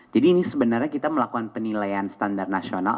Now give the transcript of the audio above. jadi ini sebenarnya kita melakukan penilaian standar nasional